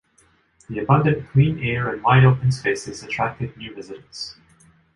The abundant clean air and wide-open spaces attracted new residents.